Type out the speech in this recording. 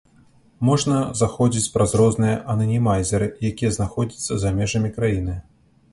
Можна заходзіць праз розныя ананімайзеры, якія знаходзяцца за межамі краіны.